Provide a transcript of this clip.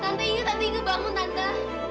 tante inga tante inga bangun tanta